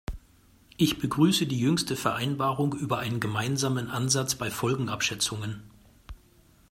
Ich begrüße die jüngste Vereinbarung über einen gemeinsamen Ansatz bei Folgenabschätzungen.